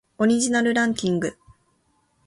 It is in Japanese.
オリジナルランキング